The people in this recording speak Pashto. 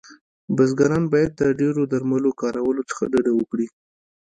بزګران باید د ډیرو درملو کارولو څخه ډډه وکړی